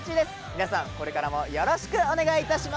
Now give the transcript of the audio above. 皆さんこれからもよろしくお願い致します。